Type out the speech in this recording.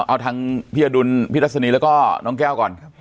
เอาทางพี่อดุลพี่ทัศนีแล้วก็น้องแก้วก่อน